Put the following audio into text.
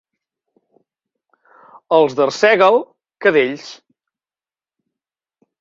Els d'Arsèguel, cadells.